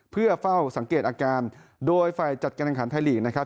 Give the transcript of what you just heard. เพื่อเฝ้าสังเกตอาการโดยฝ่ายจัดการแข่งขันไทยลีกนะครับ